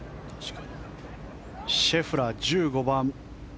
シェフラー、１５番。